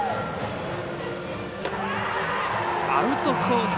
アウトコース